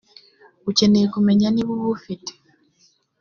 ukeneye kumenya niba ubufite.